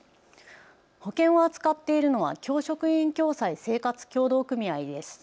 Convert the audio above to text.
保険を扱っているのは教職員共済生活協同組合です。